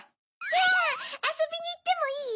じゃああそびにいってもいい？